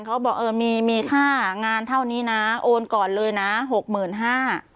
เขาบอกเออมีมีค่างานเท่านี้นะโอนก่อนเลยนะหกหมื่นห้า